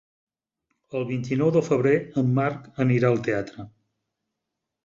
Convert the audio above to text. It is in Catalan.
El vint-i-nou de febrer en Marc anirà al teatre.